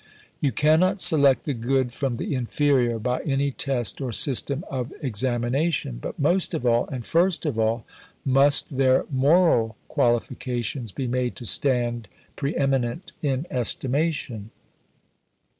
"You cannot select the good from the inferior by any test or system of examination. But most of all, and first of all, must their moral qualifications be made to stand pre eminent in estimation.